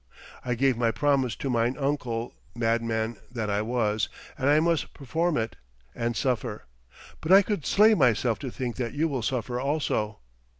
I gave my promise to mine uncle, madman that I was, and I must perform it, and suffer. But I could slay myself to think that you will suffer also.'